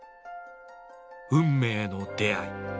運命の出会い。